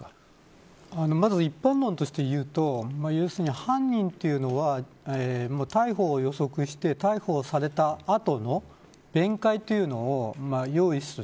まず、一般論としていうと犯人というのは逮捕を予測して、逮捕された後の弁解というのを用意します。